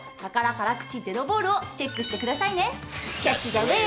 「辛口ゼロボール」をチェックしてくださいね。